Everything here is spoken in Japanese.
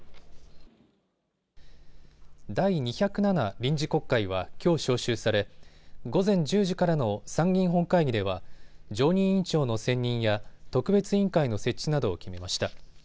第２０７臨時国会はきょう召集され午前１０時からの参議院本会議では常任委員長の選任や特別委員会の設置などを決めました。